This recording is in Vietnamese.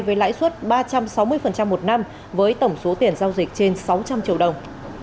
với lãi suất ba trăm sáu mươi một năm với tổng số tiền giao dịch trên sáu trăm linh triệu đồng